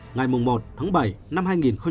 ngày một tháng bảy năm hai nghìn hai mươi